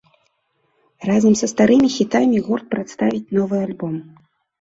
Разам са старымі хітамі гурт прадставіць новы альбом.